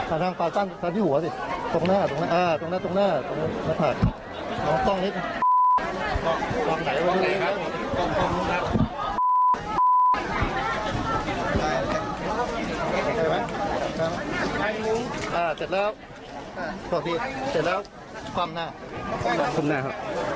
อ่าเสร็จแล้วโทษทีเสร็จแล้วความหน้าความหน้าค่ะ